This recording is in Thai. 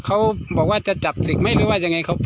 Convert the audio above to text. เขาบอกว่าจะจับสิทธิ์ไหมหรือว่าจะยังไง